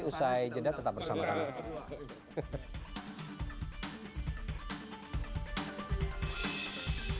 usai jeda tetap bersama kami